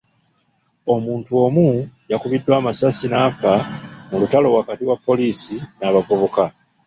Omuntu omu yakubiddwa amasasi n'afa mu lutalo wakati wa poliisi n'abavubuka.